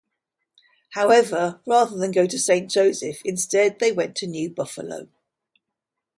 However, rather than go to Saint Joseph, instead they went to New Buffalo.